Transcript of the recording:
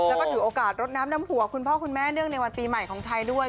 แล้วก็ถือโอกาสรดน้ำน้ำหัวคุณพ่อคุณแม่เนื่องในวันปีใหม่ของไทยด้วย